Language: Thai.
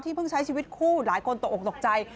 เพิ่งใช้ชีวิตคู่หลายคนตกออกตกใจ